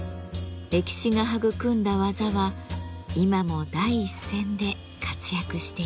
歴史が育んだ技は今も第一線で活躍しています。